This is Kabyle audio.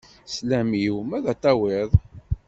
Slam-iw ma ad t-tawiḍ.